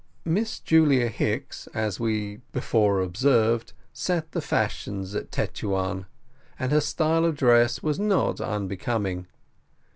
Miss Julia Hicks, as we before observed, set the fashions at Tetuan, and her style of dress was not unbecoming.